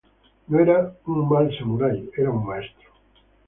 No era un mal samurái, era un maestro.